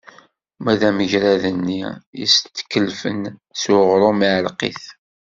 Ma d ameqrad-nni yestkellfen s uɣrum, iɛelleq-it.